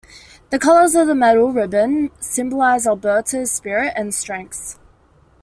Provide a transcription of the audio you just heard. The colours of the medal's ribbon symbolize Alberta's spirit and strengths.